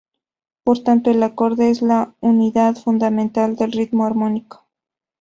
Por tanto, el acorde es la unidad fundamental del ritmo armónico.